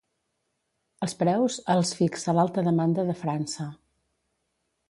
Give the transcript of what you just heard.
Els preus els fixa l'alta demanda de França.